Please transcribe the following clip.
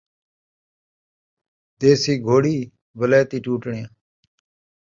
دیسی گھوڑی ، ولائتی ٹٹوݨیاں